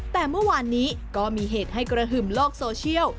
แต่เมื่อวานนี้ก็มีเหตุให้กระหึ่มโลกโซเชียล